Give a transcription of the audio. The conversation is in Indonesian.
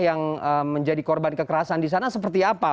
yang menjadi korban kekerasan di sana seperti apa